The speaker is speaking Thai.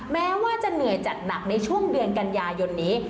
แม้ว่าจะเหนื่อยจัดหนักในช่วงเดือนกันยายนนี้